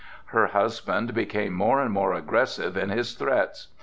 Her husband became more and more aggressive in his threats.